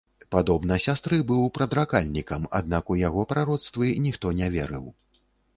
Падобна сястры, быў прадракальнікам, аднак у яго прароцтвы ніхто не верыў.